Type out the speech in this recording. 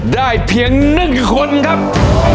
ได้เพียงหนึ่งคนครับ